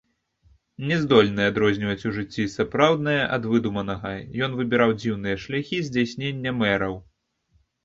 Не здольны адрозніваць у жыцці сапраўднае ад выдуманага, ён выбіраў дзіўныя шляхі здзяйснення мэраў.